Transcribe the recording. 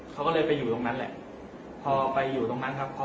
แล้วก็พอเล่ากับเขาก็คอยจับอย่างนี้ครับ